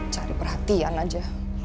cari perhatian aja